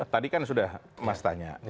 tadi kan sudah mas tanya